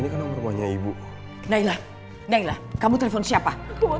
ini kan nomor rumahnya ibu nailah nailah kamu telepon siapa